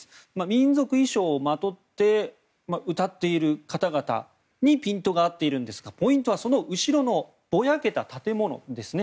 民族衣装をまとって歌っている方々にピントが合っているんですがポイントは、その後ろのぼやけた建物です。